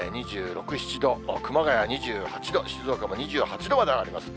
２６、７度、熊谷２８度、静岡も２８度まで上がります。